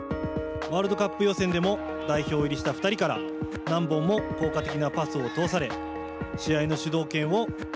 ワールドカップ予選でも代表入りした２人から何本も効果的なパスを通され